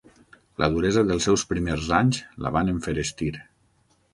La duresa dels seus primers anys la van enferestir.